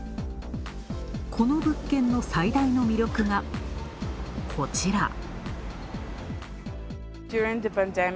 この物件の最大の魅力がこちら。